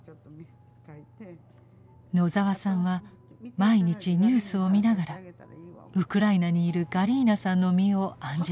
野澤さんは毎日ニュースを見ながらウクライナにいるガリーナさんの身を案じていました。